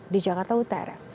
di jakarta utara